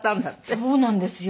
そうなんですよ。